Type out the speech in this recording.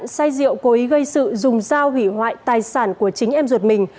hậu cố ý gây sự dùng dao hủy hoại tài sản của chính em ruột mình